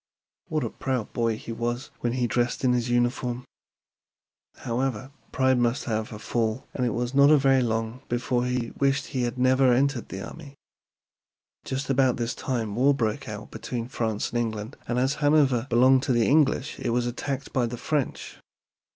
What a proud boy he was when he dressed in his new uniform! However, pride must have a fall, and it was not very long before he wished he had never entered the army. Just about this time war broke out between France and England, and as Hanover belonged to the English it was attacked by the French.